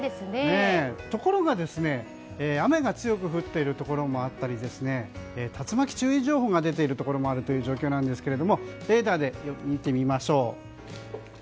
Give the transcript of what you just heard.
ところが、雨が強く降っているところもあったり竜巻注意情報が出ているところもあるという状況なんですけどレーダーで見てみましょう。